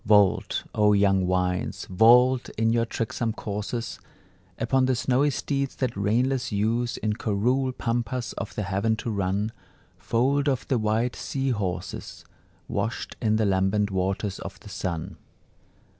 Vault, O young winds, vault in your tricksome courses Upon the snowy steeds that reinless use In coerule pampas of the heaven to run, Foaled of the white sea horses, Washed in the lambent waters of the sun.